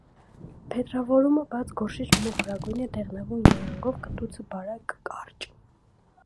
Փետրավորումը բաց գորշից մոխրագույն է՝ դեղնավուն երանգով, կտուցը՝ բարակ, կարճ։